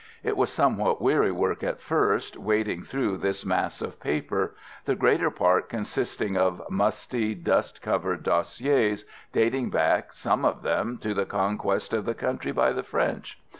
It was somewhat weary work at first, wading through this mass of paper: the greater part consisting of musty, dust covered dossiers, dating back, some of them, to the conquest of the country by the French.